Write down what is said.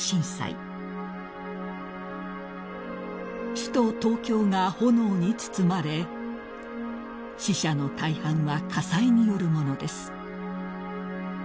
［首都東京が炎に包まれ死者の大半は火災によるものです］